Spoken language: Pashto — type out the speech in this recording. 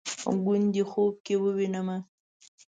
ګوندې خوب کې ووینمه